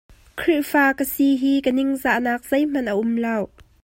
Khrihfa ka si hi ka ningzahnak zei hmanh a um lo.